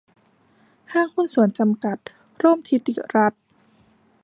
ห้างหุ้นส่วนจำกัด ร่มธิติรัตน์